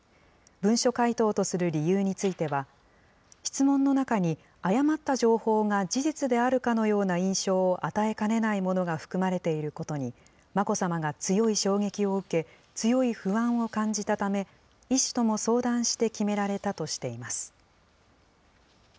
文書回答とする理由については、質問の中に、誤った情報が事実であるかのような印象を与えかねないものが含まれていることに、眞子さまが強い衝撃を受け、強い不安を感じたため、医師とも相談して決められたとしています。